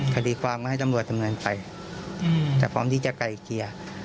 คดีความก็ให้ตำรวจดำเนินไปแต่พร้อมที่จะไกลเกลี่ย